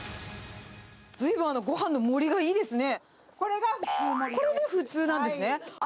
ずいぶんごはんの盛りがいいですね。